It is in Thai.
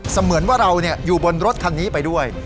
เหมือนว่าเราอยู่บนรถคันนี้ไปด้วย